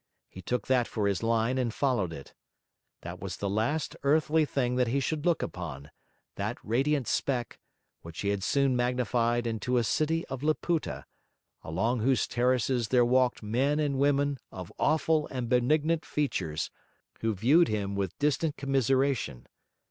He took that for his line and followed it. That was the last earthly thing that he should look upon; that radiant speck, which he had soon magnified into a City of Laputa, along whose terraces there walked men and women of awful and benignant features, who viewed him with distant commiseration.